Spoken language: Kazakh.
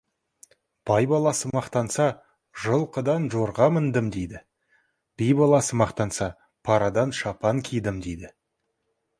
Бай баласы мақтанса, «жылқыдан жорға міндім» дейді, би баласы мақтанса, «парадан шапан кидім» дейді.